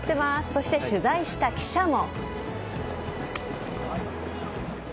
そして取材した記者も。